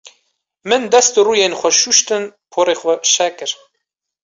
Min dest û rûyên xwe şûştin, porê xwe şeh kir.